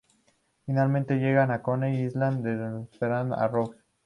Finalmente, llegan a Coney Island, donde les esperan los Rogues.